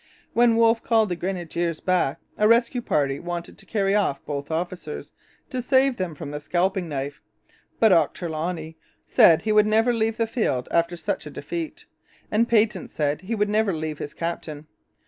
When Wolfe called the grenadiers back a rescue party wanted to carry off both officers, to save them from the scalping knife. But Ochterloney said he would never leave the field after such a defeat; and Peyton said he would never leave his captain.